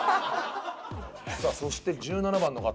さあそして１７番の方。